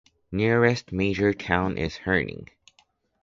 Nearest major town is Herning.